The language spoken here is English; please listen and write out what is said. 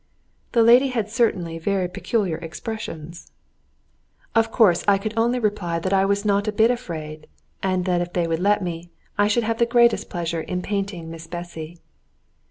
The lady had certainly very peculiar expressions. Of course I could only reply that I was not a bit afraid, and that if they would let me, I should have the greatest pleasure in painting Miss Bessy.